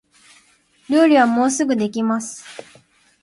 料理はもうすぐできます